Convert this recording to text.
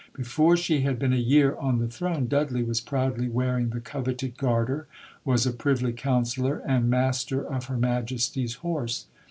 Before she had been a year on the Throne, Dudley was proudly wearing the coveted Garter; was a Privy Councillor and Master of Her Majesty's horse.